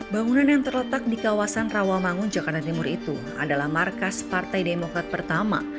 bangunan yang terletak di kawasan rawamangun jakarta timur itu adalah markas partai demokrat pertama